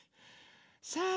さあ